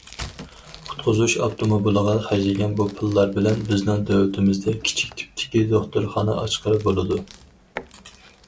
قۇتقۇزۇش ئاپتوموبىلىغا خەجلىگەن بۇ پۇللار بىلەن بىزنىڭ دۆلىتىمىزدە كىچىك تىپتىكى دوختۇرخانا ئاچقىلى بولىدۇ.